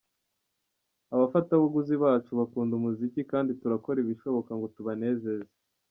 Abafatabuguzi bacu bakunda umuziki kandi turakora ibishoboka ngo tubanezeze.